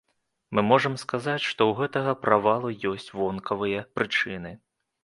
Мы можам сказаць, што ў гэтага правалу ёсць вонкавыя прычыны.